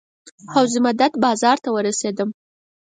حوض مدد بازار ته ورسېدو.